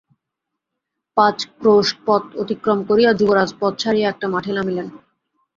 পাঁচ ক্রোশ পথ অতিক্রম করিয়া, যুবরাজ পথ ছাড়িয়া একটা মাঠে নামিলেন।